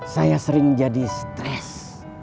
saya sering jadi stres